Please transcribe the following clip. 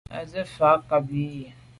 À se’ mfà nkàb i yi.